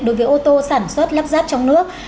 đối với ô tô sản xuất lắp ráp trong nước